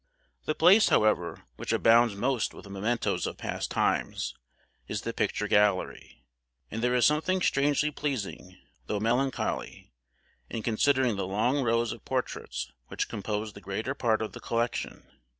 The place, however, which abounds most with mementoes of past times, is the picture gallery; and there is something strangely pleasing, though melancholy, in considering the long rows of portraits which compose the greater part of the collection.